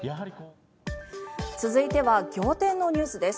続いては仰天のニュースです。